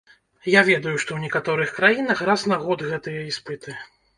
Я ведаю, што ў некаторых краінах раз на год гэтыя іспыты.